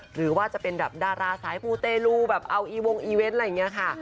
หรือว่าจะเป็นแบบดาราสายมูเตลูแบบเอาอีวงอีเวนต์อะไรอย่างนี้ค่ะ